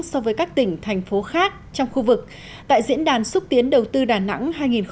so với các tỉnh thành phố khác trong khu vực tại diễn đàn xúc tiến đầu tư đà nẵng hai nghìn một mươi chín